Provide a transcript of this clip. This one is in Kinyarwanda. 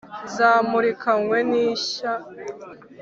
Zamurikanywe n’ishya